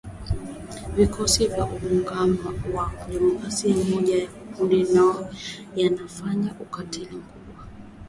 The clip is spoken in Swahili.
Vikosi vya Muungano wa Kidemokrasia ni moja ya makundi yanayofanya ukatili mkubwa.